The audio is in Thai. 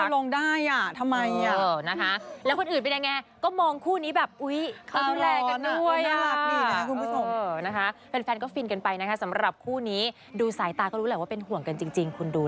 น่าการที่แฟนก็ฟินกันไปนะครับสำหรับคู่นี้ดูสายตาก็รู้แล้วว่าเป็นห่วงเงินจริงจริงคุณดู